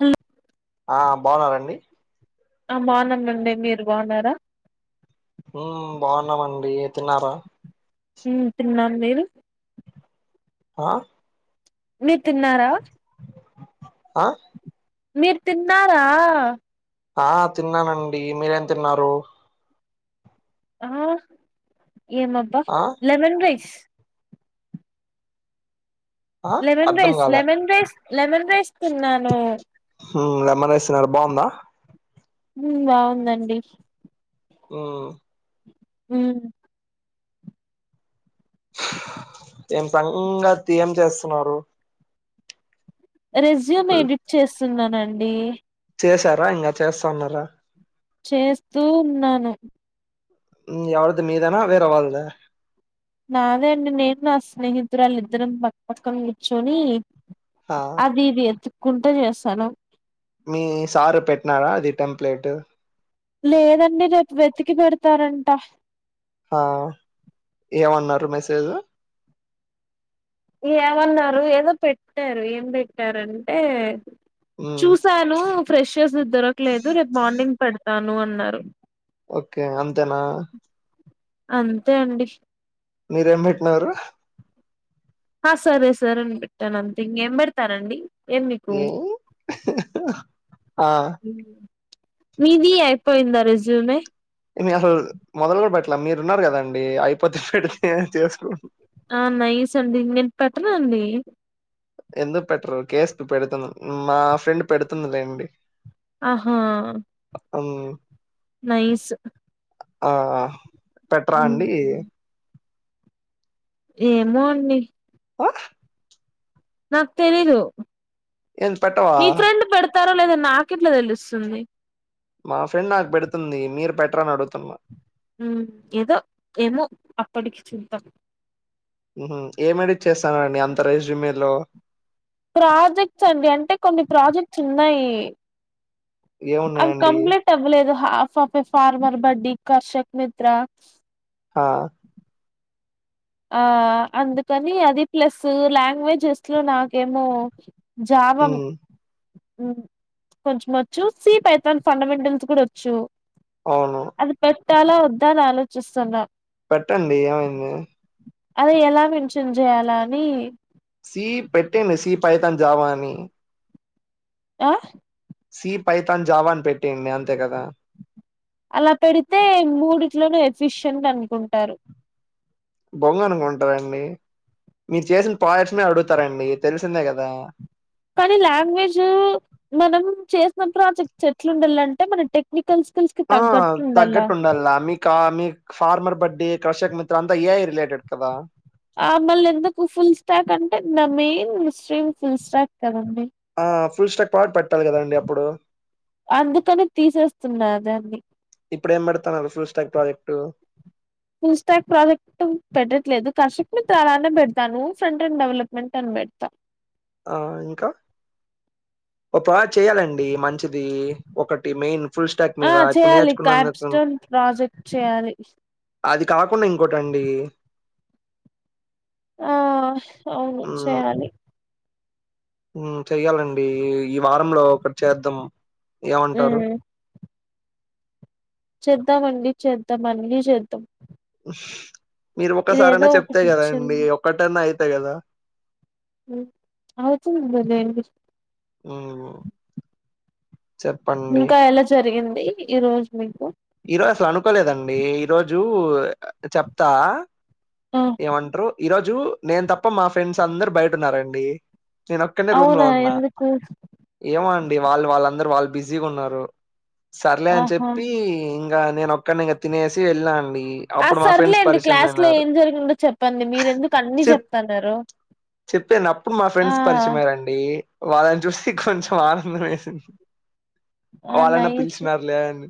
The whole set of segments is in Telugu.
హలో ఆ బాగున్నారండి ఆ బాగున్నమండి మీరు బాగున్నారా హ్మ్ బాగున్నామండి తిన్నారా హ్మ్ తిన్నాను మీరు ఆ మీరు తిన్నారా ఆ మీరు తిన్నారా ఆ తిన్నానండి మీరేం తిన్నారు ఆ ఏమబ్బా ఆ లెమన్ రైస్ ఆ లెమన్ అర్ధం రైస్ కాలే లెమన్ రైస్ లెమన్ రైస్ తిన్నాను ఉ లెమన్ రైస్ తిన్నారా బాగుందా హ్మ్ బాగుందండి హ్మ్ ఉమ్ ఏం సంగతి ఏం చేస్తున్నారు రెజ్యూమ్ ఎడిట్ చేస్తున్నానండి చేశారా ఇంకా చేస్త ఉన్నారా చేస్తూ ఉన్నాను ఎవరిది మీదేనా వేరే వాళ్ళదా నాదే అండి నేను నా స్నేహితురాలు ఇద్దరం పక్క పక్కన కూర్చొని ఆ అది ఇది ఎతుక్కుంట చేస్తానా మీ సారు పెట్టినారా అది టెంప్లేట్ లేదండి రేపు వెతికి పెడతారంట ఆ ఏమన్నారు మెసేజ్లో ఏమన్నారు ఏదో పెట్టారు ఏం పెట్టారంటే మ్మ్ చూసార ను ఫ్రెషర్స్ ది దొరకలేదు రేపు మార్నింగ్ పెడతాను అన్నారు ఓకే అంతేనా అంతే అండి మీరేం పెట్టినారు ఆ సరే సరే అని పెట్టాను అంతే ఇంకేం పెడతారండీ ఏముంది ఆ మీది అయిపోయిందా రెజ్యూమే నేను అసలు మొదలే పెట్టలే మీరు ఉన్నారు కదండి అయిపోతే పెడితే చేసుకు ఆ నైస్ అండి నేను పెట్టనండి ఎందుకు పెట్టరు కేసు పెడుతున్న మా ఫ్రెండ్ పెడుతుందిలేండి ఆహ అమ్ నైస్ ఆ పెట్రా అండి ఏమో అండి [inaudible] నాకు తెలీదు ఏంది పెట్టవా? మీ ఫ్రెండ్ పెడతారో లేదొ నాకు ఎట్లా తెలుస్తుంది మా ఫ్రెండ్ నాకు పెడుతుంది మీరు పెట్ర అని అడుగుతున్న మ్ ఏదో ఏమో అప్పటికి చూద్దాం ఏమేడి చేస్తానండి అంత రెస్యుమ్ లో ప్రాజెక్ట్స్ అండి అంటే కొన్ని ప్రాజెక్ట్స్ ఉన్నాయి అవి ఏమున్నాయండి? కంప్లీట్ అవలేదు half of farmer buddy Karshak Mitra ఆ ఆ అందుకని అది ప్లస్ లాంగ్వేజెస్ లో నాకేమో జావం హ్మ్. కొంచం వచ్చు సి పైథాన్ ఫండమెంటల్స్ కూడా వచ్చు అవును అది పెట్టాలా వద్దా అని ఆలోచిస్తున్నా పెట్టండి ఏమైంది అది ఎలా మెన్షన్ చేయాలా అని సీ పెట్టండి సీ పైథాన్ జావా అని అ సి పైతాన్ జావా అని పెట్టేయండి అంతే కదా అలా పెడితే మూడిట్లోను ఎఫిసియేంట్ అనుకుంటారు బొంగ్ అనుకుంటారండి మీరు చేసిన ప్రాజెక్ట్స్ నే అడుగుతారండి తెలిసిందే కదా కానీ లాంగ్వేజ్ మనం చేసిన ప్రాజెక్ట్ ఎట్లా ఉండాలంటే మన టెక్ నికలసికలిసి ఆ తగ్గట్టు ఉండాలిలే కానీ ఫార్మర్ బడ్డీ కృషక్ మిత్ర అంతా ఏఐ రిలేటెడ్ కదా ఆ మళ్ళీ ఎందుకు ఫుల్ స్టాక్ అంటే నా మెయిన్ స్ట్రీమ్ ఫుల్ స్టాక్ కదండి ఆ ఫుల్ స్టాక్ పట్ అందుకనే తీసేస్తున్నారు దాన్ని ఇప్పుడు ఏం పెడుతున్నారు full stack project full stack project పెట్టట్లేదు కర్షక్ మిత్ర అలానే పెడతాను ఫ్రంట్లైన్ డెవలప్మెంట్ అని పెడతా ఆ ఇంకా ఒక ప్రాజెక్టు చేయాలండి మంచిది ఒకటి మెయిన్ ఫుల్ స్టాక్ ఆ మీద ఇప్పుడు చేయాలి నేర్చుకున్నందుకు క్యాప్స్టోన్ ప్రాజెక్ట్ చేయాలి అది కాకుండా ఇంకోటండి ఆ అవును మ్మ్ చేయాలి చెయ్యాలండి ఈ వారంలో ఒకటి చేద్దాం ఏమంటారు ఉమ్, చేద్దామండి చేద్దాం అన్నీ చేద్దాం మీరు ఒకసారయినా ఇదేదో చెప్తా ఒకటి కదండి వచ్చింది ఒక్కటనా అయితాయి కదా అవుతుందిలేండి ఓ ఇంకా ఎలా జరిగింది ఈ రోజు మీకు? ఈరోజు అసలు అనుకోలేదండి ఈరోజు చెప్తా ఆ ఏమంట్రు ఈ రోజు నేను తప్ప మా ఫ్రెండ్స్ అందరు బయట ఉన్నారండి. నేనొక్కన్నే రూమ్లో అవునా ఉన్నా. ఎందుకు ఏమో అండి వాళ్ళు వాళ్ళందరూ వాళ్ళు బిజీగా ఉన్నారు, సర్లే అని ఆహా చెప్పి ఇ ఇంకా నేను ఒక్కడ్నే ఇగ తినేసి వెళ్నా అండి. ఆ అప్పుడు మా ఫ్రెండ్స్ సర్లేండి పరిచయం క్లాస్లో అయినారు ఏం జరిగిందో చెప్పండి మీరెందుకు అన్ని చెప్ చెప్తన్నారు చెప్పాను అప్పుడు మా ఆ ఫ్రెండ్స్ పరిచయమయ్యారు అం ండి వాళ్ళను చూసి కొంచెం ఆనందం ఏసిం ఆ వాళ్ళన్నా నైస్ పిలిచినారులే అని.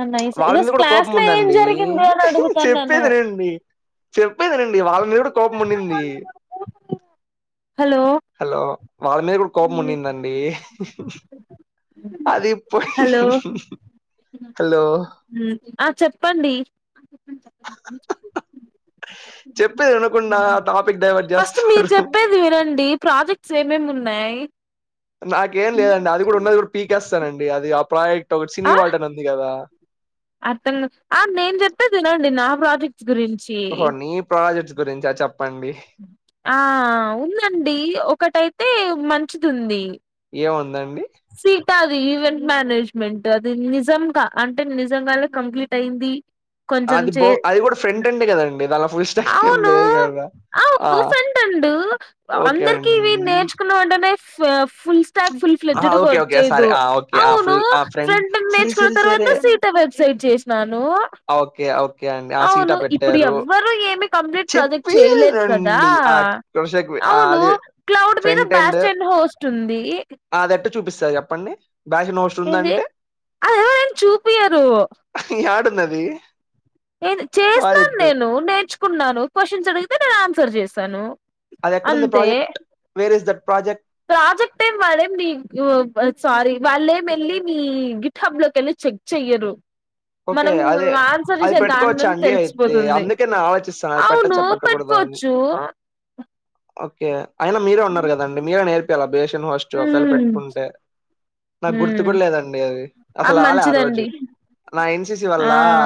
ఆ నైస్ వాళ్ళ మీద ఈరోజు కూడా క్లాస్ కోపం లో ఏం ఉందండి జరిగింది అని అడుగుతాన్నాను చెప్పేది వినండి చెప్పేదిఇనండి వాళ్ళ మీద కూడా కోపం ఉండింది. హలో హలో వాళ్ళ మీద కూడా కోపం ఉండిందండి అది హలో హలో ఆ చెప్పండి. చెప్పేది వినకుండా ఆ టాపిక్ డైవర్ట్ ఫస్ట్ మీరు చేస్తారు. చెప్పేది వినండి ప్రాజెక్ట్స్ ఏమేమి ఉన్నాయి. నాకేం లేదండి అది కూడా ఉన్నది కూడా పీకేస్తానండి, అది ఆ ప్రాజెక్ట్ ఒకటి సినివాల్ట్ అని ఉంది కదా. అర్థంగా ఆ నేను చెప్పేది వినండి నా ప్రాజెక్ట్ గురించి ఒహో నీ ప్రాజెక్ట్స్ గురించా చెప్పండి. ఆ ఉందండి ఒకటైతే మంచిదుంది. ఏముందండి? సీటా అది ఈవెంట్ మేనేజ్మెంట్ అది నిజంగా అంటే నిజంగానే కంప్లీట్ అయింది. కొంచెం అది చే బో అది కూడా ఫ్రెంట్ ఎండ్ ఏ కదండి దాంలో ఫుల్ స్టాక్ ఏం లేదు కదా. ఆ ఫూఫెంటెండ్ ఓకే అందరికి ఇవి అండి. నేర్చుకున్న వెంటనే ఫ ఫుల్ స్టాక్ ఫుల్ ఆ! ఫ్లేజ్డ్గా ఓకే ఓకే సరే వచ్చేయదు ఆ! ఓకే ఆ! అవును ఫుల్ ఆ! ఫ్రెండ్ ఫ్రంట్ ఎండ్ సరే నేర్చుకున్న సరే తర్వాత సరే సీటా వెబ్సైట్ చేశ్ నాను ఆ! ఓకే. ఓకే అండి. ఆ! సీటా అవును ఇప్పుడు పెట్టారు. ఎవ్వరు ఏమీ కంప్లీట్ ప్రాజెక్ట్ చెప్పి చేయలేదు కదా. రండి. ఆ కృషకి ఆహ్, అవును అది క్లౌడ్ మీద బ్యాస్టాండ్డ్ హోస్ట్ ఉంది. ఆదెట్టా చూపిస్తారు చెప్పండి? బ్యాషనోష్ ఏంది అదెవరైనా చూపియరు. యాడుందది? ఏంది చేసినాను ప్రాజెక్ట్? నేను, నేర్చుకున్నాను క్వశ్చన్స్ అడిగితే నేను ఆన్సర్ చేస్తాను. అది ఎక్కడుంది project, where is that project? Project ఏం వాడే నీ ఓ సారీ వాళ్ళేం ఎళ్ళి నీ గి ట హబ్లో కెళ్ళి చెక్ చెయ్యరు. ఓకే. మనం అదే ఆన్సర్ అది చేసే పెట్టుకోవచ్చా దానిలోనే అండి అయితే? తెలిసిపోతుంది, అందుకే నేను ఆలోచిస్తాను అది అవును పెట్టచ్చా? పెట్టకూడదా అని. పెట్టుకోవచ్చు. ఓకే అయినా మీరే ఉన్నారు కదండి మీరే నేర్పియాల బేషన్ వాష్. ఫ ఒకళ ఉమ్ పెట్టుకుంటే నాకు గుర్తు ఉమ్ కూడా లేదండి అది అసలు రాలే ఆ రోజు నా ఎన్సిసి వల్ల ఆ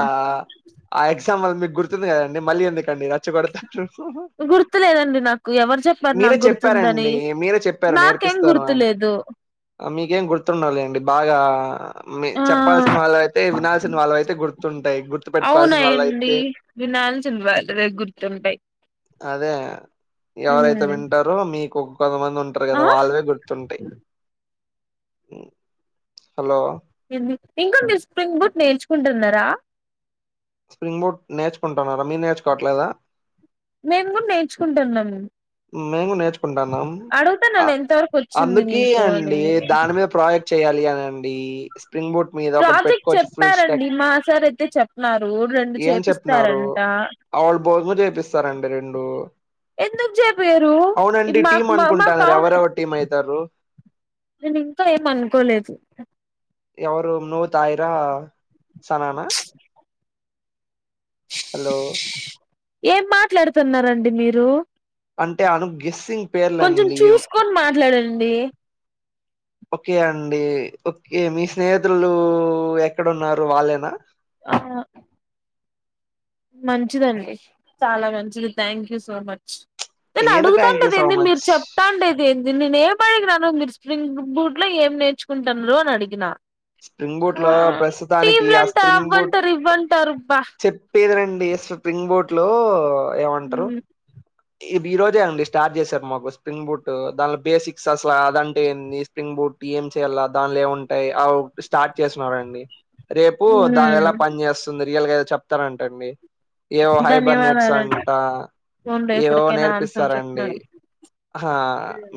ఆ ఎగ్జామ్ మీకు గుర్తుంది కదండి మళ్ళీ ఎందుకండి చ్చగొడతారు [inaudible] గుర్తులేదండి నాకు ఎవరు చెప్పారు మీరే నాకు గుర్తుందని చెప్పారండి మీరే చెప్ ప్పారు నాకేం నేర్పిస్తాను అని గుర్తులేదు మీకేం గుర్తుండవ్ లేండి బాగా మీ చెప్పాల్సిన వాళవైతే [inaudible] పెట్టుకోవాల్సిన వాళ్ళ అవునయండి అయితే [unintelligible] దుంపే అదే ఎవరైతె మ్మ్ వింటారు మీకు కొంతమంది ఉంటారు ఆ కదా వాళ్ళవే గుర్తుంటాయి హలో ఇంకా మీరు స్ప్రింగ్ బూట్ నేర్చుకుంటున్నారా స్ప్రింగ్ బూట్ నేర్చుకుంటున్నాను మీరు నేర్చుకోవట్లేదా మేం కూడా నేర్చుకుంటున్నాం మేము నేర్చుకుంటాన్నాం అడుగుతున్నాను ఎంత వరకు వచ్చింది అందుకీ నీకు అండి అని దాని మీద ప్రాజెక్ట్ చేయాలి అనండి స్ప్రింగ్ బూట్ మీద ఒకటి ప్రాజెక్ట్ పెట్టుకోవచ్చు ఫుల్ స్టక్ చెప్పారండి మా సార్ అయితే చెప్నారు రెండు చేపిస్తారంట ఆ వాల్ భోజము చేపిస్తారండి రెండు ఎందుకు చేపియరు అవునండి టీమ్ మాకు మాకు అనుకుంటాను అవును ఎవరెవరు టీమ్ అయితారు నేను ఇంకా ఏం అనుకోలేదు ఎవరు నూతాన్యా సననా హలో ఏం మాట్లాడుతున్నారండి మీరు అంటే అను గెస్సింగ్ కొంచెం పేర్లండి. చూసుకొని మాట్లాడండి ఓకే అండి ఓకే మీ స్నేహితులు ఎక్కడన్నారు వాళ్ళేనా ఆ మంచిదండి చాలా మంచిది థ్యాంక్ యూ సో మచ్ నేను ఏంది థ్యాంక్ అడుగుతాండే యూ సో దెంది మీరు మచ్. చెప్ తాండేది ఏంది నేను ఏం అడిగినను మీరు స్ప్రింగ్ బూట్ లో ఏం నేర్చుకుంటున్నరని అడిగిన స్ప్రింగ్ ఆ బూట్‌లో ప్రస్తుతానికి టీమ్లంటారు అవ్వంటారు ఇవ్వంటారుబ్బా చెప్పేది రండి స్ప్రింగ్ బోట్ లో ఏమంటారు ఇ ఈ రోజే అండి స్టార్ట్ చేశారు మాకు స్ప్రింగ్ బూట్ దానిలో బేసిక్ ఎక్ అసలా అదంటే ఏంది స్ప్రింగ్ బూట్ ఏం చేయాల దానిలో ఏం ఉంటాయి ఆ స్టార్ట్ చేసినారండి రేపు దానిల్లా పని చేస్తుంది రియల్గా ఏదో చెప్తారంటండి ఏవో హైబర్ నెట్స్ ధన్యవాదాలండి అంట ఫోన్లో ఏవో ఎప్పటికైనా ఆన్సర్ నేర్పిస్తారండి చెప్పినారు ఆ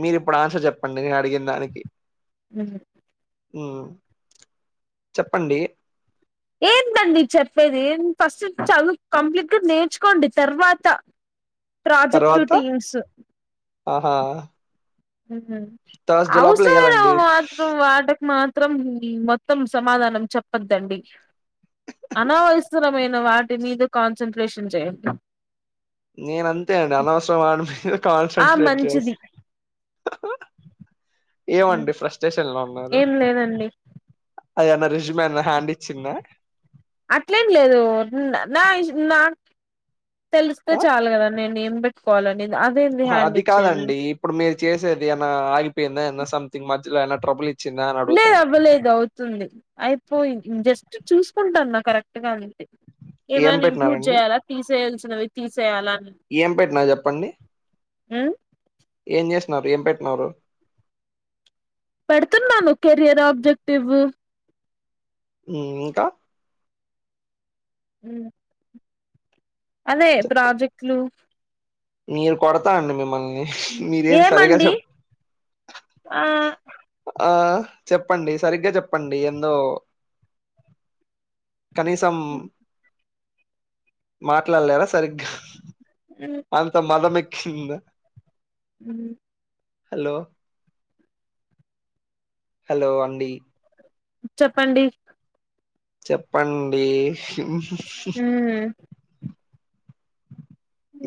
మీరిప్పుడు ఆన్సర్ చెప్పండి నేను అడిగిన దానికి అ చెప్పండి ఏంటండి చెప్పేది ఫస్ట్ చదువు కంప్లీట్ గా నేర్చుకోండి తర్వాత ప్రాజెక్ట్ తర్వాత టీమ్స్ ఆహా థర్స్డే అఔస లోపల వేయాలండి మాత్ర వాటకి మాత్ర మాత్రం మొత్తం సమాధానం చెప్పద్దండి అనవసరమైన వాటి మీద కాన్సన్ట్రేషన్ చేయండి నేన్ అంతే అండి అనవసరం వాడి మీద ఆ కాన్సన్ట్రేట్ చేస్ మంచిది హ ఏమండి ఫ్రస్టేషన్ లో ఉ ఏం లేదండి అది ఎమన్న రిజిమన్న హ్యాండ్ ఇచ్చిదా అట్లేం లేదు నా నా తెలిస్తే ఆ చాలు గదా నేను బెట్ కొలనీ అదేంది హ, హ్యాండ్ అది ఇచ్చేది కాదండి. ఇప్పుడు మీరు చేసేది ఏన్న ఆగిపోయిందా ఎవన్న సమ్మథింగ్ మధ్యలో ఏన్న ట్రబుల్ ఇచ్చిందా అని లేదు అడుగుతున్నా. అవ్వలేదు అవుతుంది అయిపోయి జస్ట్ చూసుకుంటాన్న కరెక్ట్ గా ఉంది ఏం ఏమైనా ఇంక్లూడ్ పెట్టినారండి? చేయ్యాలా తీసేయాల్సినవి తీసేయాలాని ఏం పెట్టినావ చెప్పండి ఉ ఏం చేస్తున్నారు ఏం పెట్టినారు పెడుతున్నాను కెరియర్ ఆబ్జెక్టివ్ మ్ ఇంకా ఉ అదే ప్రాజెక్టులు మీరు కొడతా అండి మిమ్మల్ని మీరేది సరిగా ఏమండి చెప్ ఆ ఆ చెప్పండి సరిగ్గా చెప్పండి ఎందో కనీసం మాట్లాడలేరా సరిగ్గా హ ఉ అంత మదమెక్కిింద ఉ హలో హలో అండి చెప్పండి చెప్పండి ఉ హు మ్మ్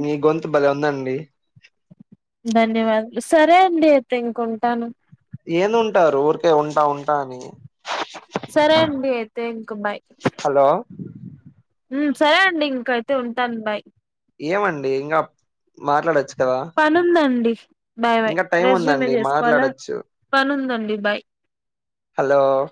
మీ గొంతు భలే ఉందండి ధన్యవాదాలు సరే అండి అయితే ఇంకుంటాను ఏంది ఉంటారు ఊరికే ఉంటా ఉంటా అని సరే అండి అయితే ఇంకా బాయ్ హలో మ్ సరే అండి ఇంకైతే ఉంటాను బాయ్ ఏమండి ఇంగా మాట్లాడచ్చు పని ఉందండి బాయ్ బాయ్ టైం రెజ్యూమ్ ఉందండి చేసుకోవాలా మాట్లాడొచ్చు పనుందండి బాయ్ హలో